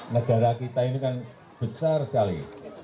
negara kita ini kan besar sekali